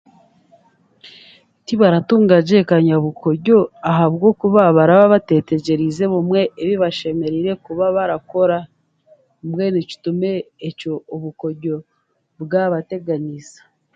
Tibaratungagye kanyabukoryo ahabwokuba baraba bateetegyereize obumwe ebi baraba bashemereire kuba barakora mbwenu kitume ekyo obukorya bwabateganiisa.